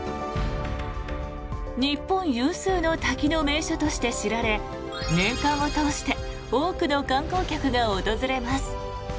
日本有数の滝の名所として知られ年間を通して多くの観光客が訪れます。